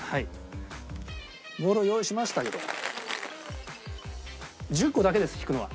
ボールを用意しましたけど１０個だけです引くのは。